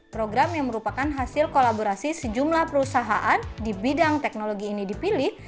program yang merupakan hasil kolaborasi sejumlah perusahaan di bidang teknologi ini dipilih